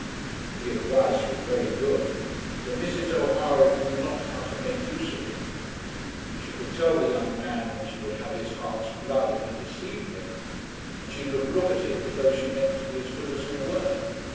The advice was very good, but Mrs. O'Hara knew not how to make use of it. She could tell the young man that she would have his heart's blood if he deceived them, and she could look at him as though she meant to be as good as her word.